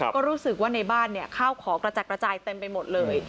ก็รู้สึกว่าในบ้านข้าวของกระจัดกระจายเต็มไปหมดเลย